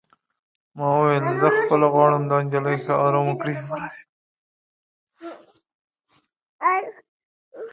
ما وویل: زه خپله غواړم دا نجلۍ ښه ارام وکړي.